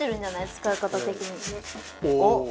使い方的に。